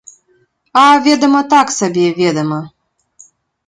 А, ведама, так сабе, ведама.